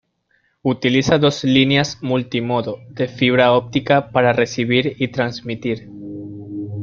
Utiliza dos líneas multimodo de fibra óptica para recibir y transmitir.